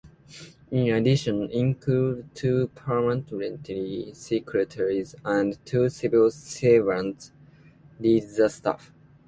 In addition, include two parliamentary secretaries and two civil servants lead the staff.